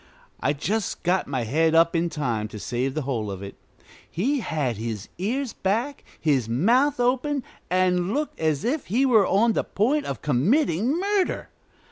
I just got my head up in time to save the whole of it. He had his ears back, his mouth open, and looked as if he were on the point of committing murder.